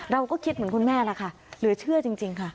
เราก็คิดเหมือนคุณแม่ล่ะค่ะเหลือเชื่อจริงค่ะ